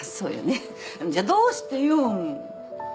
じゃあどうしてよ。